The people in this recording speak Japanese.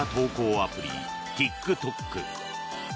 アプリＴｉｋＴｏｋ。